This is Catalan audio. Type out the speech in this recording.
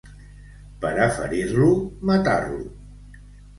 Per a ferir-lo, matar-lo.